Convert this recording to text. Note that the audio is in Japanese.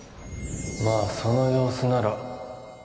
まあその様子なら